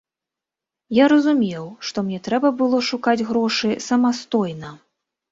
Я разумеў, што мне трэба было шукаць грошы самастойна.